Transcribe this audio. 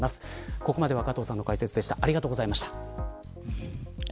ここまで加藤さんの解説でした。